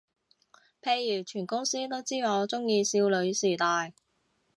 譬如全公司都知我鍾意少女時代